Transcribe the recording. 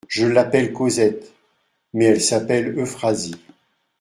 Je l'appelle Cosette, mais elle s'appelle Euphrasie.